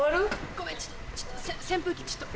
ごめんちょっと扇風機ちょっと。